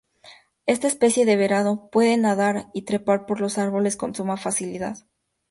Esta especie de varano puede nadar y trepar por los árboles con suma facilidad.